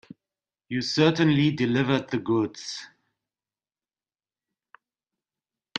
You certainly delivered the goods.